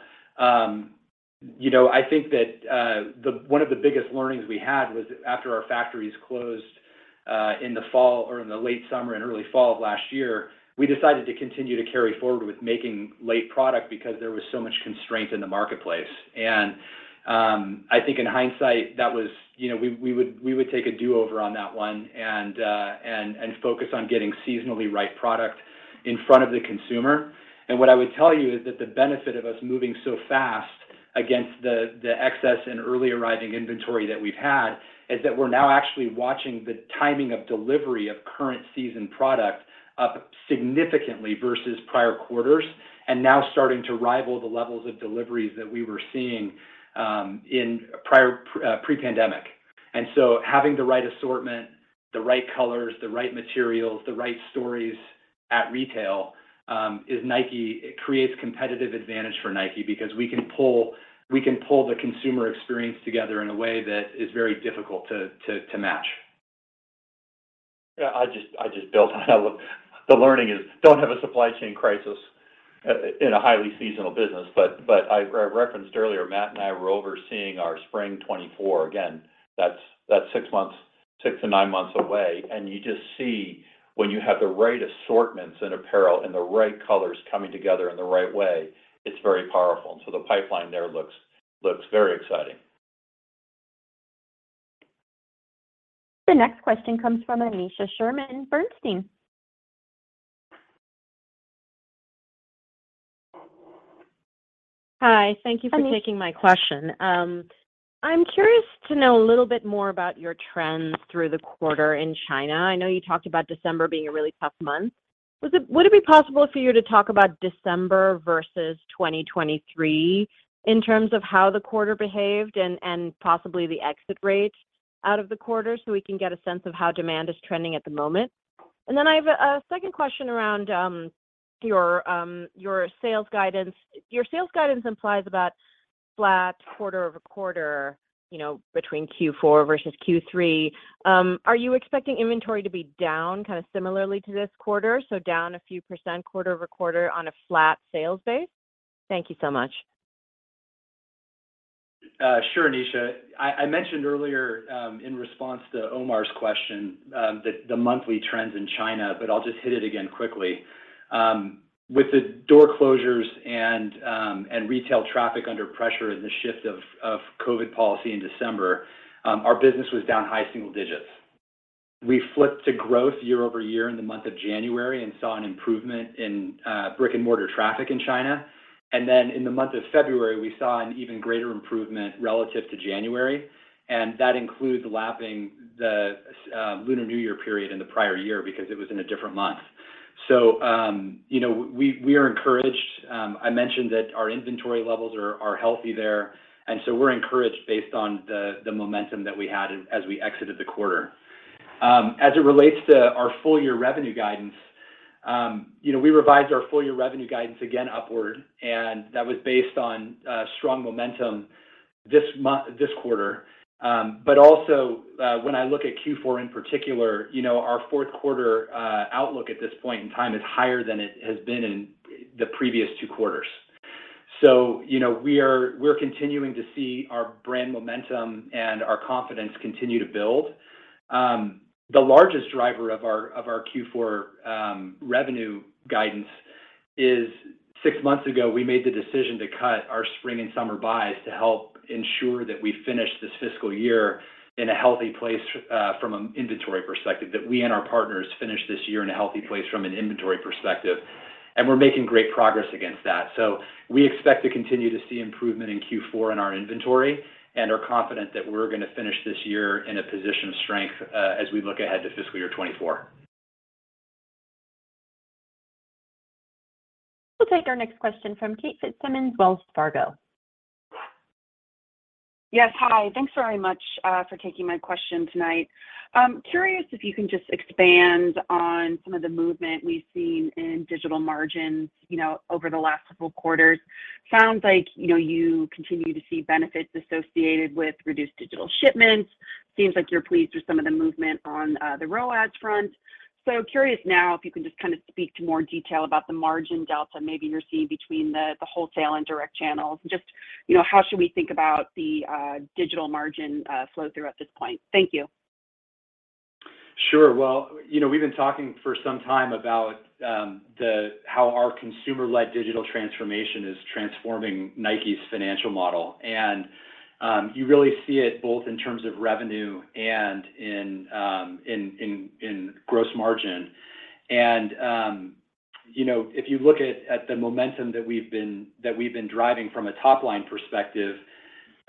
you know, I think that one of the biggest learnings we had was after our factories closed in the fall or in the late summer and early fall of last year, we decided to continue to carry forward with making late product because there was so much constraint in the marketplace. I think in hindsight, that was... You know, we would take a do-over on that one and focus on getting seasonally right product in front of the consumer. What I would tell you is that the benefit of us moving so fast against the excess and early arriving inventory that we've had is that we're now actually watching the timing of delivery of current season product up significantly versus prior quarters, and now starting to rival the levels of deliveries that we were seeing in prior pre-pandemic. Having the right assortment, the right colors, the right materials, the right stories at retail is NIKE. It creates competitive advantage for NIKE because we can pull the consumer experience together in a way that is very difficult to match. Yeah. I just built on that one. The learning is don't have a supply chain crisis in a highly seasonal business. I referenced earlier, Matt and I were overseeing our spring 2024. That's six months, six to nine months away, and you just see when you have the right assortments in apparel and the right colors coming together in the right way, it's very powerful. The pipeline there looks very exciting. The next question comes from Aneesha Sherman, Bernstein. Hi. Thank you for taking my question. I'm curious to know a little bit more about your trends through the quarter in China. I know you talked about December being a really tough month. Would it be possible for you to talk about December versus 2023 in terms of how the quarter behaved and possibly the exit rates out of the quarter so we can get a sense of how demand is trending at the moment? I have a second question around your sales guidance. Your sales guidance implies about flat quarter over quarter, you know, between Q4 versus Q3. Are you expecting inventory to be down kind of similarly to this quarter, so down a few percent quarter-over-quarter on a flat sales base? Thank you so much. Sure, Aneesha. I mentioned earlier, in response to Omar's question, the monthly trends in China, but I'll just hit it again quickly. With the door closures and retail traffic under pressure and the shift of COVID policy in December, our business was down high single digits. We flipped to growth year-over-year in the month of January and saw an improvement in brick-and-mortar traffic in China. Then in the month of February, we saw an even greater improvement relative to January, and that includes lapping the Lunar New Year period in the prior year because it was in a different month. You know, we are encouraged. I mentioned that our inventory levels are healthy there. We're encouraged based on the momentum that we had as we exited the quarter. As it relates to our full year revenue guidance, you know, we revised our full year revenue guidance again upward. That was based on strong momentum this quarter. Also, when I look at Q4 in particular, you know, our fourth quarter outlook at this point in time is higher than it has been in the previous two quarters. You know, we're continuing to see our brand momentum and our confidence continue to build. The largest driver of our, of our Q4, revenue guidance is six months ago, we made the decision to cut our spring and summer buys to help ensure that we finish this fiscal year in a healthy place, from an inventory perspective, that we and our partners finish this year in a healthy place from an inventory perspective, and we're making great progress against that. We expect to continue to see improvement in Q4 in our inventory and are confident that we're gonna finish this year in a position of strength, as we look ahead to fiscal year 2024. We'll take our next question from Kate Fitzsimons, Wells Fargo. Yes. Hi. Thanks very much for taking my question tonight. I'm curious if you can just expand on some of the movement we've seen in digital margins, you know, over the last couple quarters. Sounds like, you know, you continue to see benefits associated with reduced digital shipments. Seems like you're pleased with some of the movement on the ROAS front. Curious now if you can just kind of speak to more detail about the margin delta maybe you're seeing between the wholesale and direct channels. Just, you know, how should we think about the digital margin flow through at this point? Thank you. Sure. Well, you know, we've been talking for some time about how our consumer-led digital transformation is transforming NIKE's financial model. You really see it both in terms of revenue and in gross margin. You know, if you look at the momentum that we've been driving from a top-line perspective,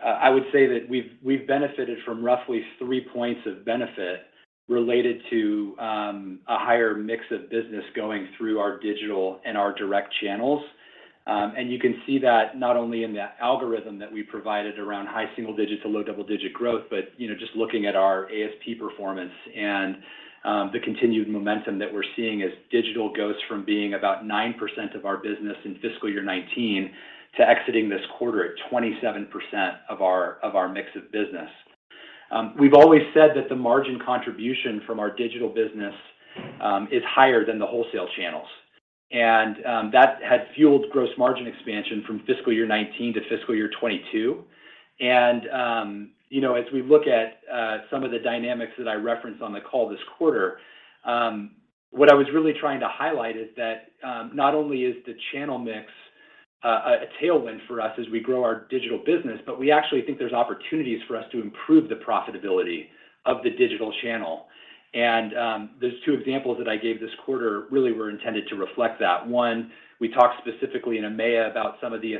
I would say that we've benefited from roughly 3 points of benefit related to a higher mix of business going through our digital and our direct channels. You can see that not only in the algorithm that we provided around high single-digit to low double-digit growth, but you know, just looking at our ASP performance and the continued momentum that we're seeing as digital goes from being about 9% of our business in fiscal year 2019 to exiting this quarter at 27% of our mix of business. We've always said that the margin contribution from our digital business is higher than the wholesale channels. That had fueled gross margin expansion from fiscal year 2019 to fiscal year 2022. You know, as we look at some of the dynamics that I referenced on the call this quarter, what I was really trying to highlight is that not only is the channel mix a tailwind for us as we grow our digital business, but we actually think there's opportunities for us to improve the profitability of the digital channel. Those two examples that I gave this quarter really were intended to reflect that. One, we talked specifically in EMEA about some of the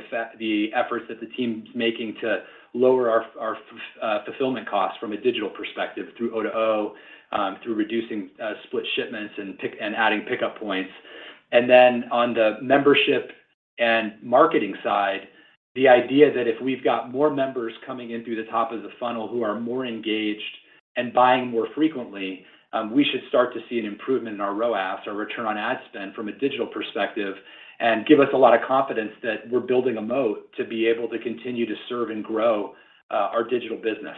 efforts that the team's making to lower our fulfillment costs from a digital perspective through O2O, through reducing split shipments and adding pickup points. On the membership and marketing side, the idea that if we've got more members coming in through the top of the funnel who are more engaged and buying more frequently, we should start to see an improvement in our ROAS, our return on ad spend, from a digital perspective, and give us a lot of confidence that we're building a moat to be able to continue to serve and grow our digital business.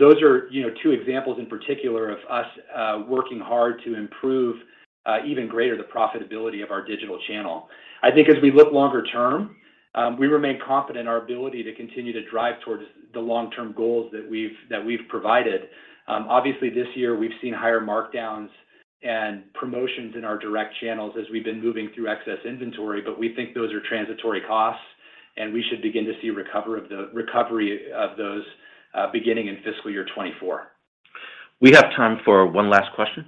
Those are, you know, two examples in particular of us working hard to improve even greater the profitability of our digital channel. As we look longer term, we remain confident in our ability to continue to drive towards the long-term goals that we've, that we've provided. Obviously this year we've seen higher markdowns and promotions in our direct channels as we've been moving through excess inventory, but we think those are transitory costs, and we should begin to see recovery of those, beginning in fiscal year 2024. We have time for one last question.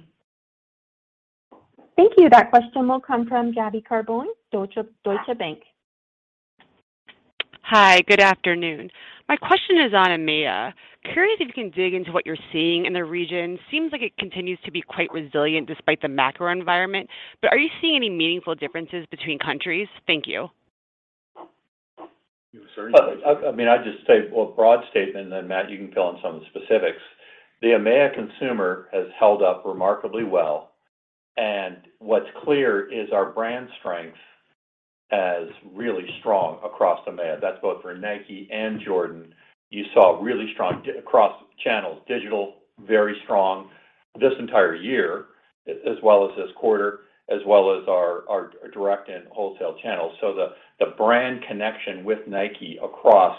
Thank you. That question will come from Gaby Carbone, Deutsche Bank. Hi. Good afternoon. My question is on EMEA. Curious if you can dig into what you're seeing in the region. Seems like it continues to be quite resilient despite the macro environment. Are you seeing any meaningful differences between countries? Thank you. You want to start? I mean, I'd just say, well, broad statement, and then Matt, you can fill in some of the specifics. The EMEA consumer has held up remarkably well, and what's clear is our brand strength as really strong across EMEA. That's both for NIKE and Jordan. You saw really strong across channels. Digital, very strong this entire year as well as this quarter, as well as our direct and wholesale channels. The, the brand connection with NIKE across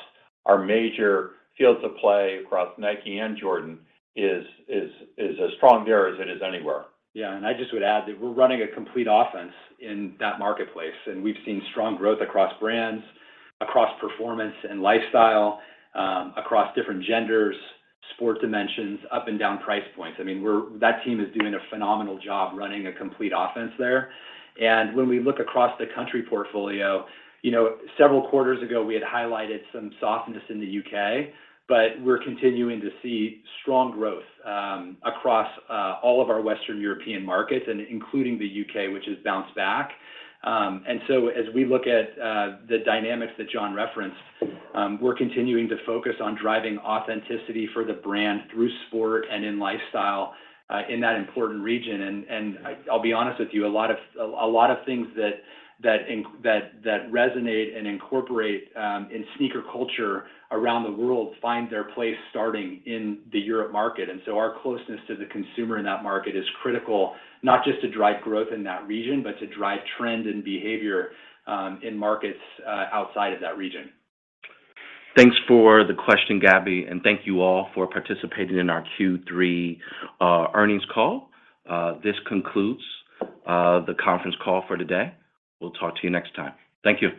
our major fields of play across NIKE and Jordan is as strong there as it is anywhere. Yeah. I just would add that we're running a complete offense in that marketplace, and we've seen strong growth across brands, across performance and lifestyle, across different genders, sport dimensions, up and down price points. I mean, that team is doing a phenomenal job running a complete offense there. When we look across the country portfolio, you know, several quarters ago we had highlighted some softness in the U.K., but we're continuing to see strong growth across all of our Western European markets and including the U.K., which has bounced back. As we look at the dynamics that John referenced, we're continuing to focus on driving authenticity for the brand through sport and in lifestyle in that important region. I'll be honest with you, a lot of things that resonate and incorporate in sneaker culture around the world find their place starting in the Europe market. Our closeness to the consumer in that market is critical, not just to drive growth in that region, but to drive trend and behavior in markets outside of that region. Thanks for the question, Gaby, and thank you all for participating in our Q3 earnings call. This concludes the conference call for today. We'll talk to you next time. Thank you.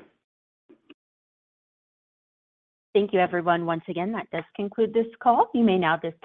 Thank you, everyone. Once again, that does conclude this call. You may now disconnect.